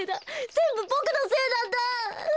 ぜんぶボクのせいなんだ！